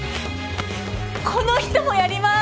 この人もやりまーす！